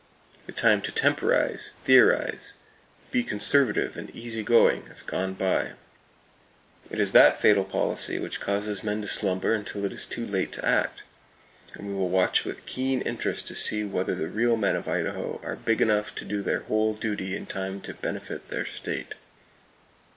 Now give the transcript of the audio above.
The time to temporize, theorize, be conservative and easy going has gone by. It is that fatal policy that causes men to slumber until it is too late to act; and we will watch with keen interest to see whether the real men of Idaho are big enough to do their whole duty in time to benefit their state.